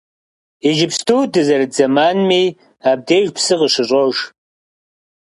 Иджыпсту дызэрыт зэманми абдеж псы къыщыщӏож.